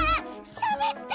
しゃべった！